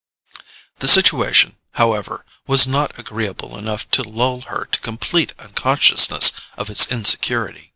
The situation, however, was not agreeable enough to lull her to complete unconsciousness of its insecurity.